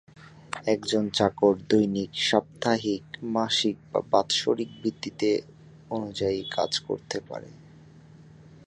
একজন চাকর দৈনিক, সাপ্তাহিক, মাসিক বা বাৎসরিক ভিত্তিতে অনুযায়ী কাজ করতে পারে।